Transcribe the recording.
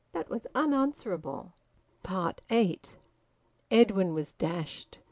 That was unanswerable. EIGHT. Edwin was dashed.